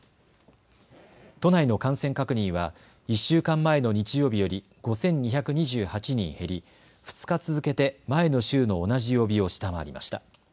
都内の感染確認は１週間前の日曜日より５２２８人減り２日続けて前の週の同じ曜日を下回りました。